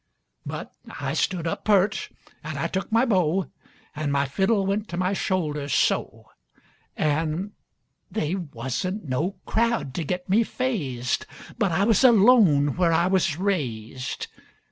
But I stood up pert an' I took my bow, An' my fiddle went to my shoulder, so. An' they wasn't no crowd to get me fazed But I was alone where I was raised.